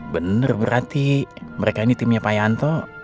bener berarti mereka ini timnya pak yanto